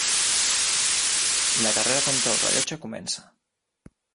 La carrera contra el rellotge comença.